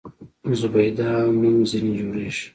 زبیده نوم ځنې جوړېږي.